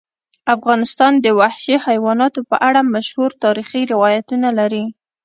افغانستان د وحشي حیواناتو په اړه مشهور تاریخی روایتونه لري.